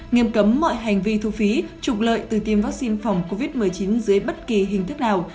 nghiêm cấm mọi hành vi thu phí trục lợi từ tiêm vaccine phòng covid một mươi chín dưới bất kỳ hình thức nào